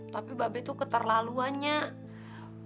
tapi babi tuh keterlaluan nyiak